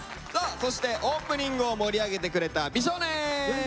そしてオープニングを盛り上げてくれた美少年。